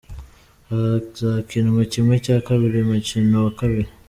Hazakinwa kimwe cya kabiri umukino wa kabiri.